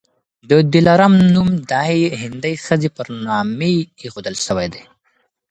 د دلارام نوم د هغي هندۍ ښځي پر نامي ایښودل سوی دی.